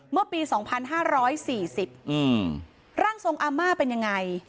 เมื่อปี๒๕๔๐ร่างทรงอาม่าเป็นยังไง